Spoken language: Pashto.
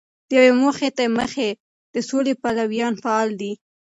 د یوې موخی د مخې د سولې پلویان فعال دي.